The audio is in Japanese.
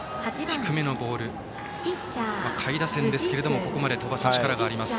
低めのボールを下位打線ですけどもここまで飛ばす力があります。